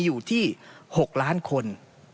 อยู่ที่๖ล้านคน